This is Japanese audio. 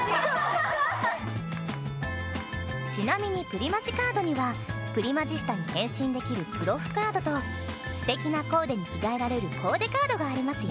ちなみにプリマジカードにはプリマジスタに変身できるプロフカードとすてきなコーデに着替えられるコーデカードがありますよ。